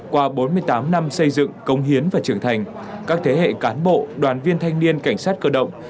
qua bốn mươi tám năm xây dựng công hiến và trưởng thành các thế hệ cán bộ đoàn viên thanh niên cảnh sát cơ động